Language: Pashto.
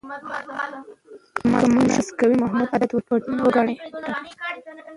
که ماشوم ناز کوي، محدوده حدود وټاکئ.